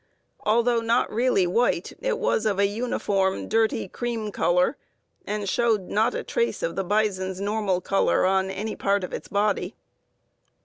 Although not really white, it was of a uniform dirty cream color, and showed not a trace of the bison's normal color on any part of its body.